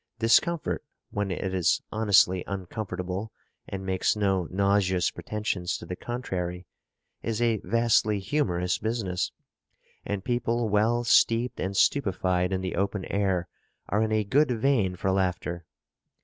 Discomfort, when it is honestly uncomfortable and makes no nauseous pretensions to the contrary, is a vastly humorous business; and people well steeped and stupefied in the open air are in a good vein for laughter.